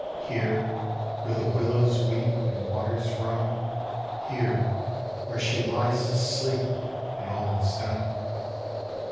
Here, where the willows weep And waters run; Here, where she lies asleep, And all is done.